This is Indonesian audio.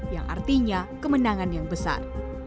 yang artinya kemenangan yang besar